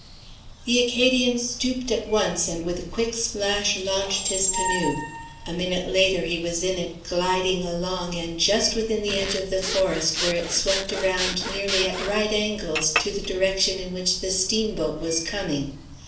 The Acadian stooped at once and with a quick splash launched his canoe. A minute later he was in it, gliding along and just within the edge of the forest where it swept around nearly at right angles to the direction in which the steamboat was coming.